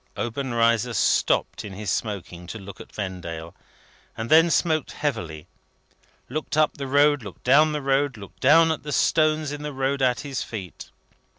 Obenreizer stopped in his smoking to look at Vendale, and then smoked heavily, looked up the road, looked down the road, looked down at the stones in the road at his feet.